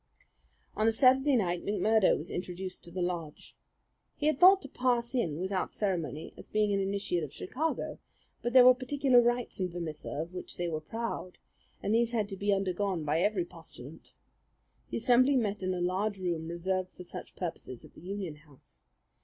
On a Saturday night McMurdo was introduced to the lodge. He had thought to pass in without ceremony as being an initiate of Chicago; but there were particular rites in Vermissa of which they were proud, and these had to be undergone by every postulant. The assembly met in a large room reserved for such purposes at the Union House.